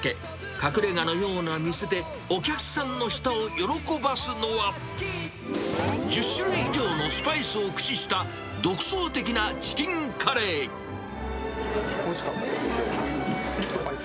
隠れがのような店で、お客さんの舌を喜ばすのは、１０種類以上のスパイスを駆使しおいしかったです。